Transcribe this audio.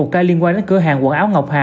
một ca liên quan đến cửa hàng quần áo ngọc hà